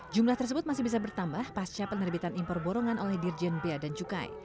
jumlah tersebut masih bisa bertambah pasca penerbitan impor borongan oleh dirjen bia dan cukai